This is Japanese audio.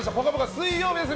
水曜日です。